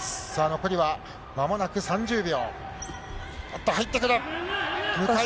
残りは間もなく３０秒。